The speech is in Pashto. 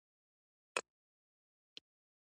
سپی بيا هم زما تر چپلکو لاندې پټ شو.